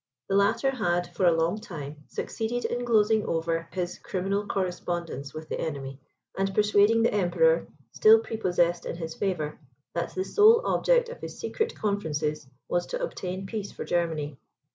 The latter had, for a long time, succeeded in glozing over his criminal correspondence with the enemy, and persuading the Emperor, still prepossessed in his favour, that the sole object of his secret conferences was to obtain peace for Germany.